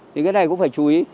thì cái này cũng phải chú ý